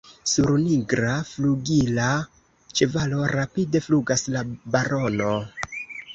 Sur nigra flugila ĉevalo rapide flugas la barono!